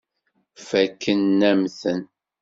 Fakken-am-ten.